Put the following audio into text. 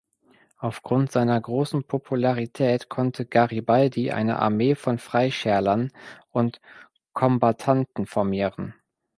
Aufgrund seiner großen Popularität konnte Garibaldi eine Armee von Freischärlern und Kombattanten formieren.